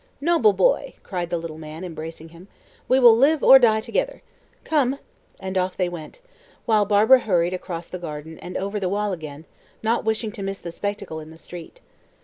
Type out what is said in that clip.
"Noble boy!" cried the little man, embracing him. "We will live or die together. Come!" And off they went, while Barbara hurried across the garden and over the wall again, not wishing to miss the spectacle in the street.